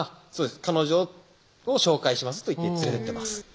「彼女を紹介します」と言って連れてってます